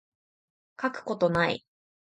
書くことない